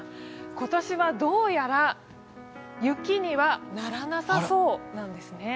今年はどうやら雪にはならなさそうなんですね。